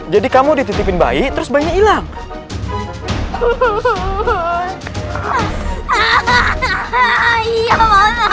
jadi kamu dititipin bayi terus bayinya hilang